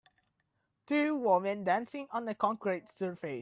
Two women dancing on a concrete surface.